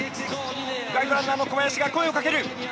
ガイドランナーの小林が声をかける。